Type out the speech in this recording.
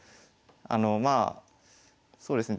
まあそうですね